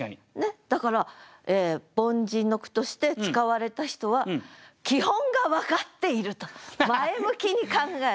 だから凡人の句として使われた人は基本が分かっていると前向きに考える。